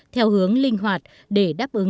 theo hướng linh hoạt để đáp ứng